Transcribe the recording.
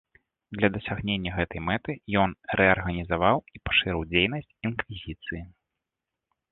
Для дасягнення гэтай мэты ён рэарганізаваў і пашырыў дзейнасць інквізіцыі.